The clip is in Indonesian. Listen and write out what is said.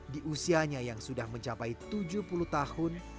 di usianya yang sudah mencapai tujuh puluh tahun